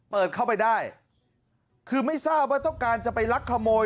เปิดเข้าไปได้คือไม่ทราบว่าต้องการจะไปลักขโมย